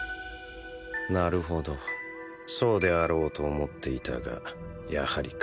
なるほどそうであろうと思っていたがやはりか。